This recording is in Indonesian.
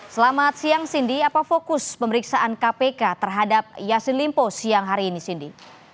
selamat siang cindy apa fokus pemeriksaan kpk terhadap yassin limpo siang hari ini cindy